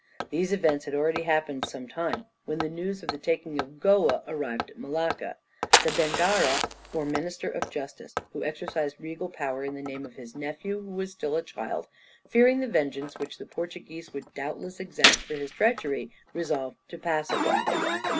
These events had already happened some time when the news of the taking of Goa arrived at Malacca. The bendarra, or Minister of Justice, who exercised regal power in the name of his nephew who was still a child, fearing the vengeance which the Portuguese would doubtless exact for his treachery, resolved to pacify them.